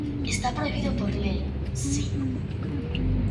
Está prohibido por lei, si.